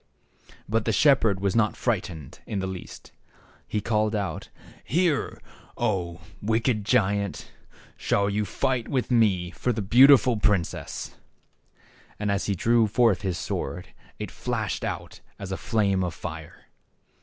But the shepherd was not frightened in the least. He called out, " Here, 0, wicked giant, shall you fight with me for the beautiful prin cess." And, as he drew forth his sword, it flashed out as a flame of fire.